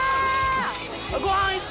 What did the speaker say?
ご飯いって！